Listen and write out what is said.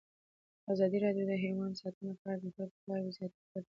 ازادي راډیو د حیوان ساتنه په اړه د خلکو پوهاوی زیات کړی.